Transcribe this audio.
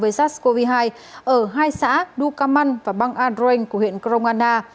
với sars cov hai ở hai xã đu cà măn và băng a rênh của huyện grongana